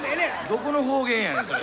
どこの方言やねんそれ。